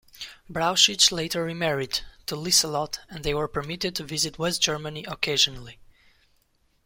Brauchitsch later remarried, to Lieselotte, and they were permitted to visit West Germany occasionally.